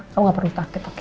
kamu ngga perlu takut oke